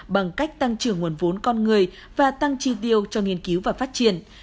bằng cách tăng trưởng nguồn vốn con người và tăng chi tiêu cho nghiên cứu và phát triển